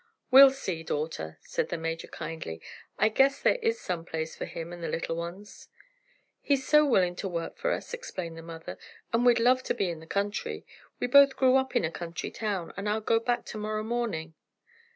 "We'll see, daughter," said the major kindly. "I guess there is some place for him and the little ones." "He's so willin' to work for us," explained the mother, "and we'd love to be in the country. We both grew up in a country town, and I'll go back to morrow morning.